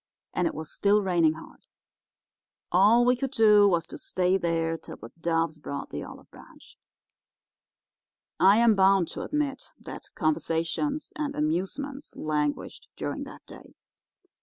And it was still raining hard. All we could do was to stay there till the doves brought in the olive branch. "I am bound to admit that conversations and amusements languished during that day.